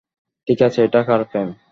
ঠিক আছে, এটা কার প্রেম?